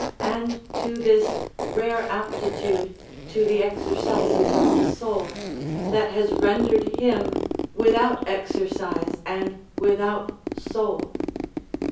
and to this rare aptitude to the exercises of the soul, that has rendered him without exercise and without soul?